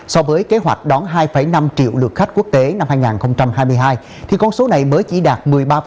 so với kế hoạch đón hai năm triệu lượt khách quốc tế năm hai nghìn hai mươi hai thì con số này mới chỉ đạt một mươi ba